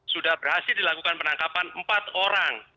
sudah berhasil dilakukan penangkapan empat orang